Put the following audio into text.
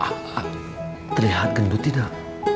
a a terlihat gengbut tidak